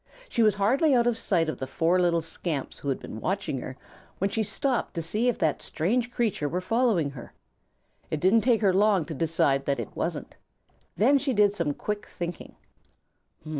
She was hardly out of sight of the four little scamps who had been watching her when she stopped to see if that strange creature were following her. It didn't take her long to decide that it wasn't. Then she did some quick thinking.